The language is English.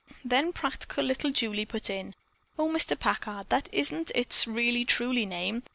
Then practical little Julie put in: "Oh, Mr. Packard, that isn't its really truly name.